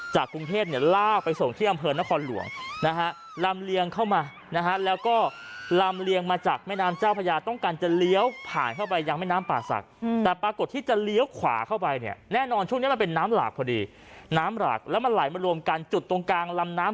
กรุงเทพเนี่ยลากไปส่งที่อำเภอนครหลวงนะฮะลำเลียงเข้ามานะฮะแล้วก็ลำเลียงมาจากแม่น้ำเจ้าพญาต้องการจะเลี้ยวผ่านเข้าไปยังแม่น้ำป่าศักดิ์แต่ปรากฏที่จะเลี้ยวขวาเข้าไปเนี่ยแน่นอนช่วงนี้มันเป็นน้ำหลากพอดีน้ำหลากแล้วมันไหลมารวมกันจุดตรงกลางลำน้ำ